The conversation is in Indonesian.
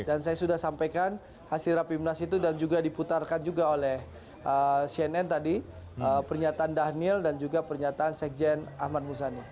dan saya sudah sampaikan hasil rapimnas itu dan juga diputarkan juga oleh cnn tadi pernyataan daniel dan juga pernyataan sekjen ahmad musani